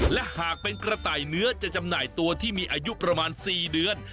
และหากเป็นกระต่ายเนื้อจะจำหน่ายตัวที่มีอายุประมาณ๔เดือน